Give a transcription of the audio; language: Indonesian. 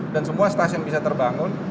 dan semua stasiun bisa terbangun